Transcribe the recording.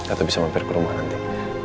atau bisa mampir ke rumah nanti